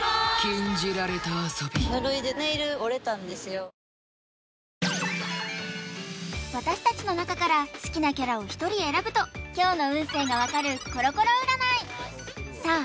誕生私達の中から好きなキャラを１人選ぶと今日の運勢が分かるコロコロ占いさあ